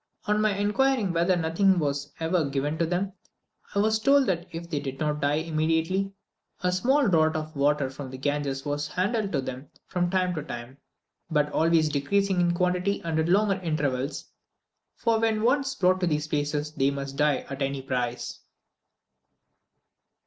On my inquiring whether nothing was ever given to them, I was told that if they did not die immediately, a small draught of water from the Ganges was handed to them from time to time, but always decreasing in quantity and at longer intervals, for when once brought to these places, they must die at any price.